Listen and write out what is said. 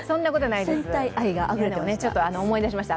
戦隊愛があふれていました。